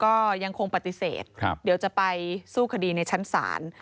ก็ยังคงปฏิเสธเดี๋ยวจะไปสู้คดีในชั้นศาล